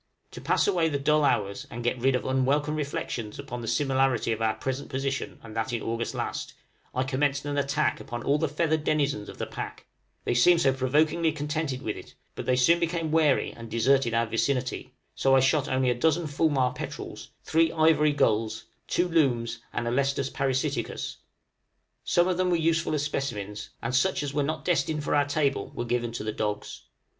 To pass away the dull hours and get rid of unwelcome reflections upon the similarity of our present position and that in August last, I commenced an attack upon all the feathered denizens of the pack they seemed so provokingly contented with it but they soon became wary, and deserted our vicinity, so I shot only a dozen fulmar petrels, three ivory gulls, two looms, and a Lestris parasiticus; some of them were useful as specimens, and such as were not destined for our table were given to the dogs.